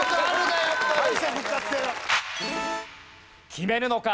決めるのか？